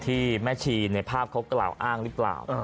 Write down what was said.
ที่แม่ชีในภาพเขากล่าวอ้างหรือเปล่า